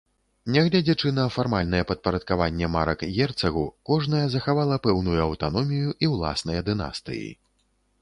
Нягледзячы на фармальнае падпарадкаванне марак герцагу, кожная захавала пэўную аўтаномію і ўласныя дынастыі.